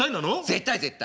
絶対絶対。